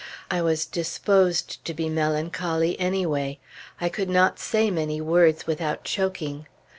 I was disposed to be melancholy anyway; I could not say many words without choking.